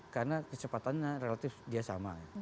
karena kecepatannya relatif dia sama